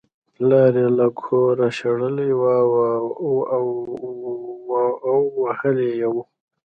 پلار یې له کوره شړلی و او وهلی یې و